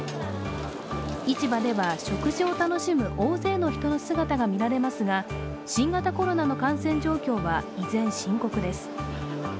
市場では食事を楽しむ大勢の人の姿が見られますが新型コロナの感染状況は依然深刻です。